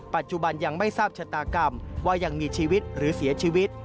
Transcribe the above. ปัจจุบันยังไม่ทราบชะตากรรมว่ายังมีชีวิตหรือเสียชีวิต